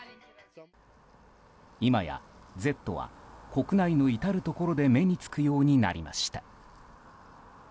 今や「Ｚ」は国内の至るところで目につくようになりました。